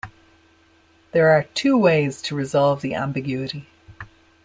There are two ways to resolve the ambiguity.